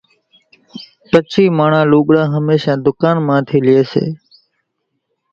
ڪڇي ماڻۿان لوڳڙان ھميشان ڌُڪان مان ٿي لئي سي